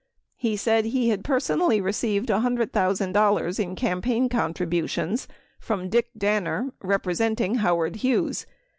He said he had personally received $100,000 in campaign contributions from Dick Danner representing Howard Hughes.